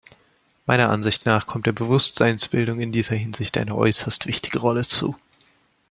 Meiner Ansicht nach kommt der Bewusstseinsbildung in dieser Hinsicht eine äußerst wichtige Rolle zu.